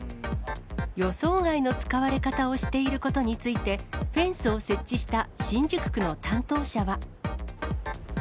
予想外の使われ方をしていることについて、フェンスを設置した新宿区の担当者は。